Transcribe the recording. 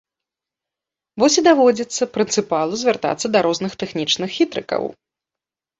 Вось і даводзіцца прынцыпалу звяртацца да розных тэхнічных хітрыкаў.